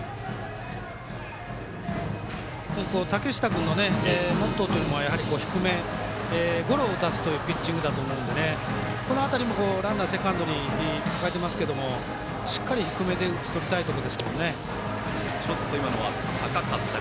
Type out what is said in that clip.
竹下君のモットーというのは低め、ゴロを打たすというピッチングだと思うのでこの辺りも、ランナーセカンドに抱えていますがしっかり低めで打ち取りたいところですね。